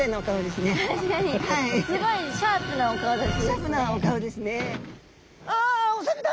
シャープなお顔ですね。